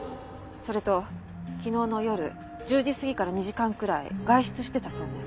それと昨日の夜１０時過ぎから２時間くらい外出してたそうね。